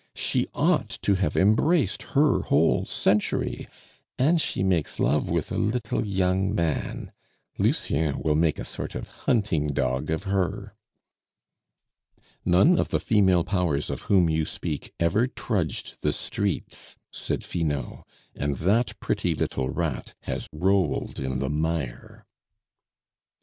She ought to have embraced her whole century, and she makes love with a little young man! Lucien will make a sort of hunting dog of her." "None of the female powers of whom you speak ever trudged the streets," said Finot, "and that pretty little 'rat' has rolled in the mire."